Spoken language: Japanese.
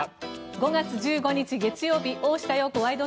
５月１５日、月曜日「大下容子ワイド！